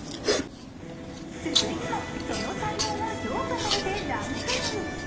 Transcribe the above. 続いても、その才能が評価されてランクイン。